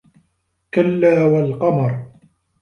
كَلّا وَالقَمَرِ